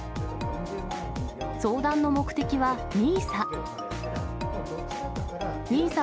相談の目的は、ＮＩＳＡ。